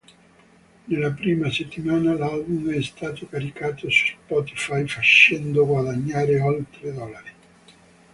Nella prima settimana, l'album è stato caricato su Spotify facendo guadagnare oltre dollari.